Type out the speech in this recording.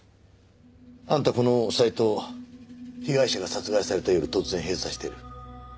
あんたこのサイトを被害者が殺害された夜突然閉鎖してる。